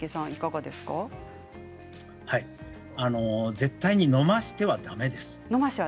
絶対に飲ませてはだめです。